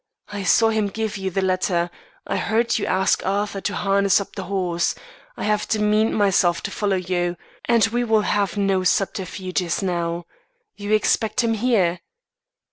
I saw him give you the letter. I heard you ask Arthur to harness up the horse. I have demeaned myself to follow you, and we will have no subterfuges now. You expect him here?